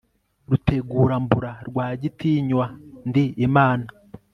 Rutegurambura Rwagitinywa ndi Imana